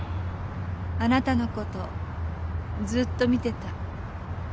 あなたのことずっと見てた。